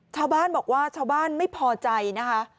ชาวบ้านบอกว่าชาวบ้านไม่พอใจนะคะ